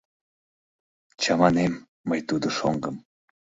Чаманем мый тудо шоҥгым.